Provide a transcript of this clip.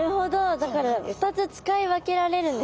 だから２つ使い分けられるんですね。